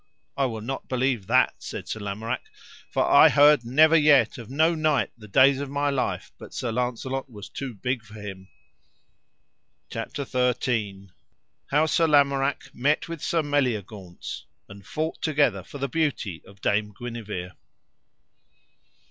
I will not believe that, said Sir Lamorak, for I heard never yet of no knight the days of my life but Sir Launcelot was too big for him. CHAPTER XIII. How Sir Lamorak met with Sir Meliagaunce, and fought together for the beauty of Dame Guenever.